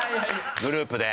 グループで。